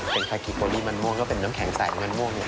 เป็นภาคีโปรดี้มันม่วงก็เป็นน้ำแข็งใสมันม่วง